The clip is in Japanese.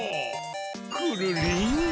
くるりん。